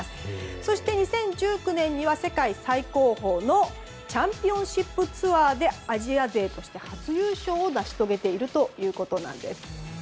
そして２０１９年には世界最高峰チャンピオンシップツアーでアジア勢として初優勝を成し遂げたということです。